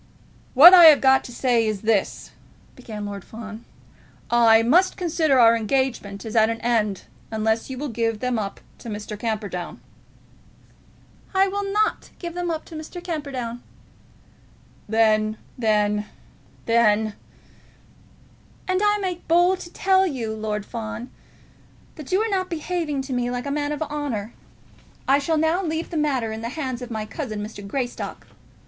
"What I have got to say is this," began Lord Fawn; "I must consider our engagement as at an end unless you will give them up to Mr. Camperdown." "I will not give them up to Mr. Camperdown." "Then, then, then, " "And I make bold to tell you, Lord Fawn, that you are not behaving to me like a man of honour. I shall now leave the matter in the hands of my cousin, Mr. Greystock."